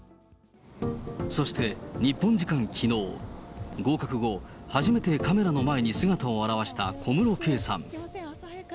そして、日本時間きのう、合格後、初めてカメラの前に姿を現した小室圭さん。